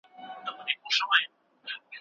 تل هغه ځای وټاکه چي ستا قدر پکې وي.